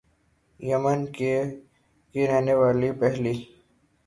یمن کی رہنے والی پہلی